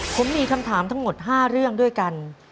ผมมีคำถามทั้งหมด๕เรื่องด้วยกัน